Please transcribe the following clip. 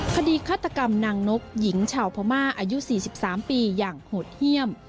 คดีฆาตกรรมนางนกหญิงชาวพม่าอายุ๔๓ปีอย่างโหดเยี่ยม